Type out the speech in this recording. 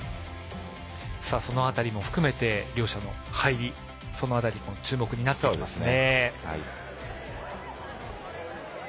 その辺りも含めて両者の入りその辺りも注目になってきますね。